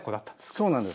そうなんです。